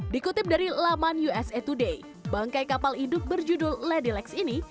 dikutip dari laman usa today bangkai kapal induk berjudul lady lex ini